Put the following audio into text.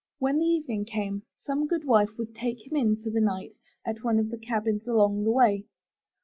When the evening came, some good wife would take him in for the night at one of the cabins along the way.